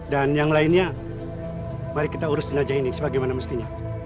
dan yang lainnya mari kita urusin saja ini sebagaimana mestinya